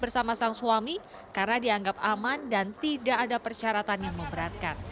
bersama sang suami karena dianggap aman dan tidak ada persyaratan yang memberatkan